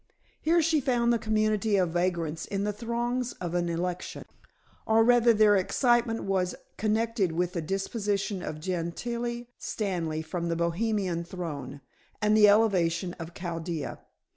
Here she found the community of vagrants in the throes of an election, or rather their excitement was connected with the deposition of Gentilla Stanley from the Bohemian throne, and the elevation of Chaldea.